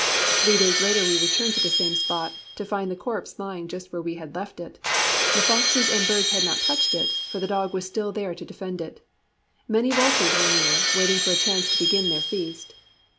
"Three days later we returned to the same spot, to find the corpse lying just where we had left it. The foxes and birds had not touched it, for the dog was still there to defend it. Many vultures were near, waiting for a chance to begin their feast.